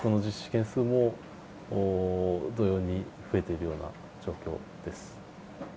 件数も同様に増えているような状況です。